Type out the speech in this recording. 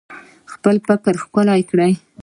خپل فکر ښکلی کړئ